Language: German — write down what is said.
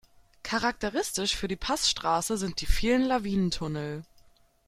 Charakteristisch für die Passstraße sind die vielen Lawinentunnel.